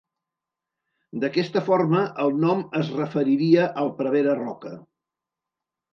D'aquesta forma el nom es referiria al prevere Roca.